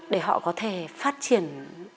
để họ có thể phát triển